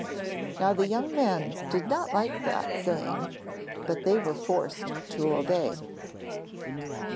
Now the young men did not like that saying, but they were forced to obey.